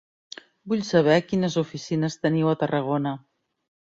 Vull saber quines oficines teniu a Tarragona.